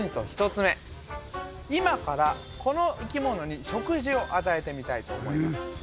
１つ目今からこの生き物に食事を与えてみたいと思います